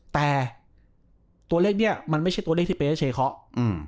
แต่ตัวเลขนี้มันไม่ใช่ตัวเลขที่เป็นเฉเคราะห์